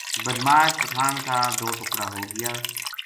بِدمعاش پٹھان کا دو ٹکڑا ہو گیا